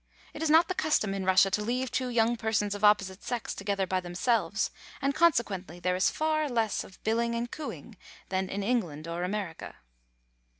It is not the custom in Rus.sia to leave two young persons of opposite sex together by themselves, and consequently there is far less of billing and cooing than in England or America.